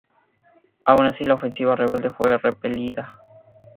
Aun así, la ofensiva rebelde fue repelida.